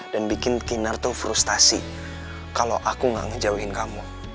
dan bikin kinar tuh frustasi kalau aku gak ngejauhin kamu